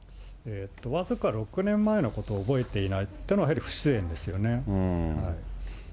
僅か６年前のことを覚えていないっていうのは、やはり不自然ですよね。